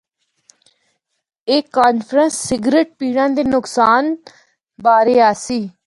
اے conference cigarette پینڑا دے نقصان بارے آسی۔